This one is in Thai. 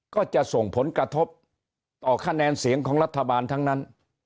ก็จะส่งผลกระทบต่อคะแนนเสียงของรัฐบาลทั้งนั้น